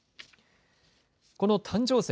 この誕生石。